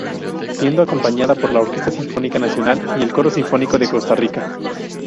Siendo acompañada por la Orquesta Sinfónica Nacional y el Coro Sinfónico de Costa Rica.